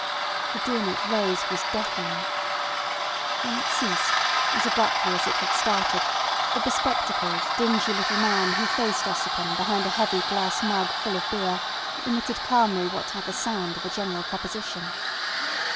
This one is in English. The din it raised was deafening. When it ceased, as abruptly as it had started, the be spectacled, dingy little man who faced Ossipon behind a heavy glass mug full of beer emitted calmly what had the sound of a general proposition.